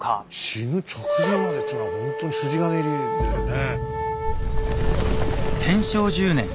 死ぬ直前までというのはほんとに筋金入りだよね。